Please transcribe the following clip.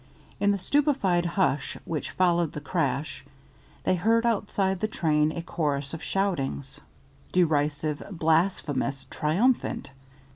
In the stupefied hush which followed the crash they heard outside the train a chorus of shoutings, derisive, blasphemous, triumphant.